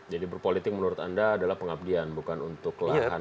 jadi berpolitik menurut anda adalah pengabdian bukan untuk lakukan pencari uang